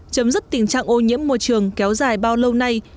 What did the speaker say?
chấm dứt tình trạng ô nhiễm môi trường kéo dài bao lâu nay